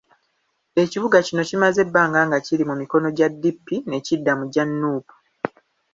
Ekibuga kino kimaze ebbanga nga kiri mu mikono gya DP, ne kidda mu gya Nuupu.